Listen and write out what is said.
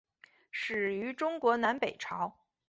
始于中国南北朝。